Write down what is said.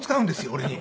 俺に。